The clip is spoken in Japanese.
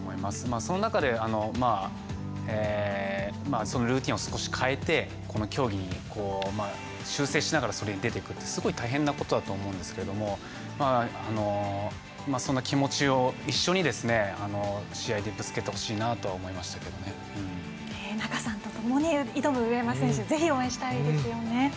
その中でルーティンを少し変えて競技で修正しながらそれに出ていくってすごい大変なことだと思うんですけどその気持ちを一緒に試合にぶつけてほしいと仲さんとともに挑む上山選手をぜひ応援したいですよね。